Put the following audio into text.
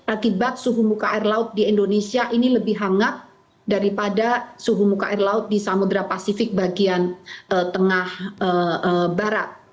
akibat suhu muka air laut di indonesia ini lebih hangat daripada suhu muka air laut di samudera pasifik bagian tengah barat